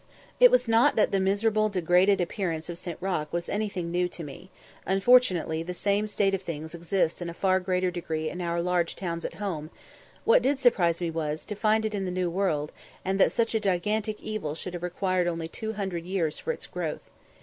It was not that the miserable degraded appearance of St. Roch was anything new to me; unfortunately the same state of things exists in a far greater degree in our large towns at home; what did surprise me was, to find it in the New World, and that such a gigantic evil should have required only two hundred years for its growth.